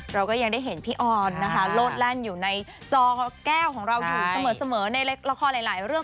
เราก็ยังได้เห็นพี่ออนนะคะโลดแล่นอยู่ในจอแก้วของเราอยู่เสมอในละครหลายเรื่อง